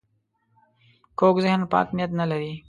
کوږ ذهن پاک نیت نه لري